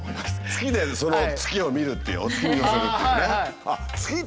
月でその月を見るってお月見をするっていうね。